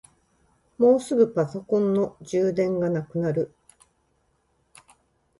もうすぐパソコンの充電がなくなる。